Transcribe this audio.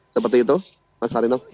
seperti itu pak sarino